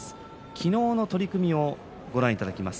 昨日の取組をご覧いただきます。